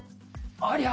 ありゃ！